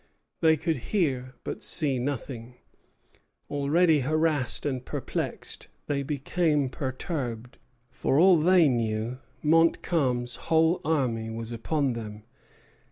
They could hear, but see nothing. Already harassed and perplexed, they became perturbed. For all they knew, Montcalm's whole army was upon them.